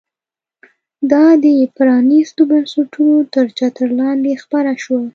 دا د پرانیستو بنسټونو تر چتر لاندې خپره شوه.